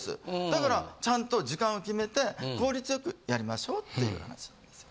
だからちゃんと時間を決めて効率よくやりましょうっていう話なんです。